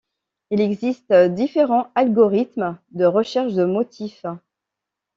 Il existe différents algorithmes de recherche de motif.